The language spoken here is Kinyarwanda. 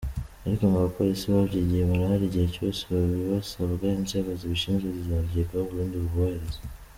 Ariko ngo abapolisi babyigiye barahari igihe cyose babibasabwa inzego zibishinzwe zizabyigaho u Burundi bubohereze.